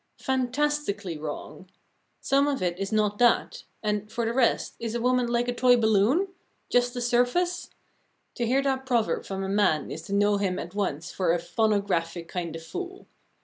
Fantastically wrong! Some of it is not that; and, for the rest, is a woman like a toy balloon? just a surface? To hear that proverb from a man is to know him at once for a phonographic kind of fool.